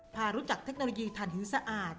พารู้จักเทคโนโลยีฐานหินสะอาด